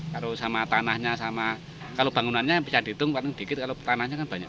kalau sama tanahnya sama kalau bangunannya bisa dihitung paling dikit kalau tanahnya kan banyak